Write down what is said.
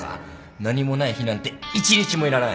何もない日なんて１日もいらない